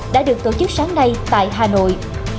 đã được tổ chức sáng nay tại hà nội